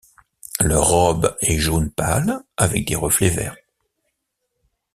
Leur robe est jaune pâle avec des reflets verts.